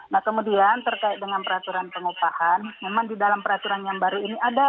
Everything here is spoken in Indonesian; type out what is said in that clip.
nah kemudian terkait dengan peraturan pengupahan memang di dalam peraturan yang baru ini ada